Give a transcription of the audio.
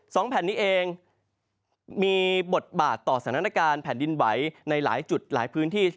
แผ่นนี้เองมีบทบาทต่อสถานการณ์แผ่นดินไหวในหลายจุดหลายพื้นที่